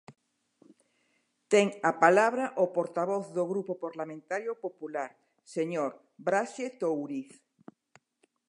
Ten a palabra o portavoz do Grupo Parlamentario Popular, señor Braxe Touriz.